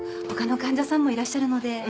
ほかの患者さんもいらっしゃるので。